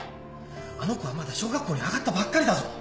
あの子はまだ小学校に上がったばっかりだぞ。